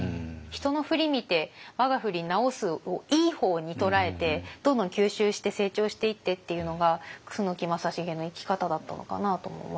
「人のふり見て我がふり直す」をいい方に捉えてどんどん吸収して成長していってっていうのが楠木正成の生き方だったのかなとも思いますね。